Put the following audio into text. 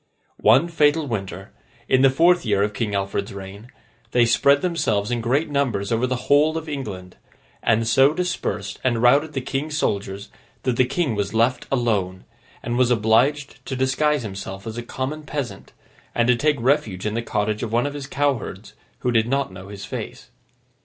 One fatal winter, in the fourth year of King Alfred's reign, they spread themselves in great numbers over the whole of England; and so dispersed and routed the King's soldiers that the King was left alone, and was obliged to disguise himself as a common peasant, and to take refuge in the cottage of one of his cowherds who did not know his face.